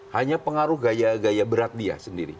hanya pengaruh gaya gaya berat dia sendiri